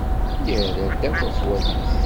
Yerra-d akk afwad-is.